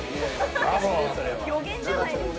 予言じゃないですか。